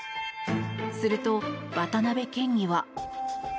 すると、渡辺県議は。